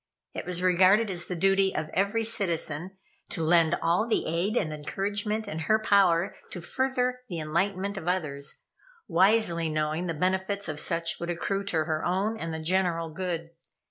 It was regarded as the duty of every citizen to lend all the aid and encouragement in her power to further the enlightenment of others, wisely knowing the benefits of such would accrue to her own and the general good.